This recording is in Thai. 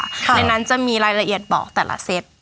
ในนั้นจะมีรายละเอียดบอกแต่ละเซต